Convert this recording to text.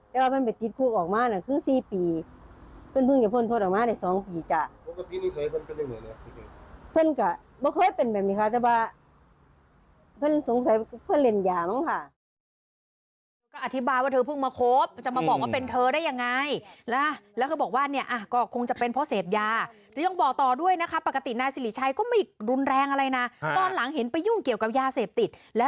ถ้าถามผมผมมีคำตอบให้เลยนะ